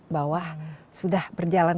bawah sudah berjalan